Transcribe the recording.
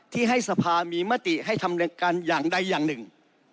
ที่ให้สภามีมติให้ทำการอย่างใดอย่างหนึ่ง